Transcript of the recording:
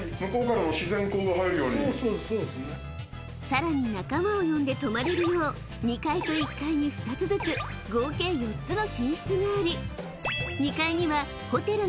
［さらに仲間を呼んで泊まれるよう２階と１階に２つずつ合計４つの寝室があり］